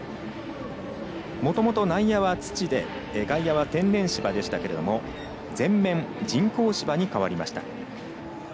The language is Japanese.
もともと内野は土で外野は天然芝でしたけれども全面人工芝に変わりました。